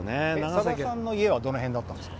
さださんの家はどの辺だったんですか？